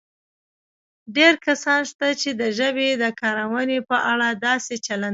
ډېر کسان شته چې د ژبې د کارونې په اړه داسې چلند کوي